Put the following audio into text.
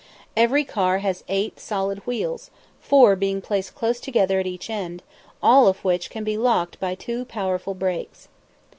Every car has eight solid wheels, four being placed close together at each end, all of which can be locked by two powerful breaks.